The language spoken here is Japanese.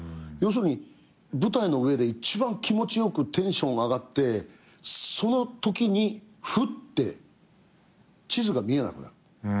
要するに舞台の上で一番気持ち良くテンション上がってそのときにフッて地図が見えなくなる。